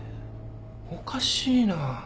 おかしいな？